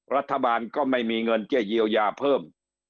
รัฐบาลก็ไม่มีเงินจะเยียวยาเพิ่ม